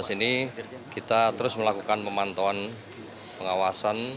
dua ribu sembilan belas ini kita terus melakukan pemantauan pengawasan